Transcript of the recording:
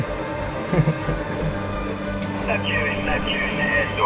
フフフ。